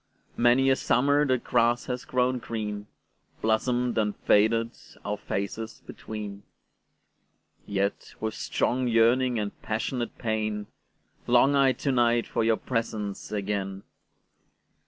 Many a summer the grass has grown green, Blossomed and faded, our faces between:Yet, with strong yearning and passionate pain, Long I to night for your presence again.